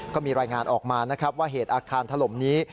ก็มีรายงานออกมานะครับว่าเหตุอาคารถล่มนี้